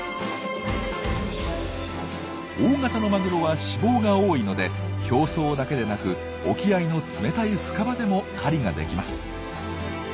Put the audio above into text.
大型のマグロは脂肪が多いので表層だけでなく沖合の冷たい深場でも狩りができます。